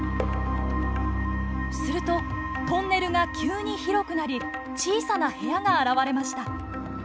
するとトンネルが急に広くなり小さな部屋が現れました。